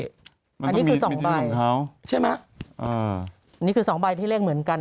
อันนี้คือสองใบใช่ไหมอ่านี่คือสองใบที่เลขเหมือนกัน